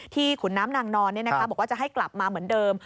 ที่ขุนน้ำนางนอนโดยผมจะให้กลับมาเหมือนเดิม